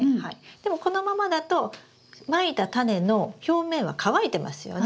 でもこのままだとまいたタネの表面は乾いてますよね。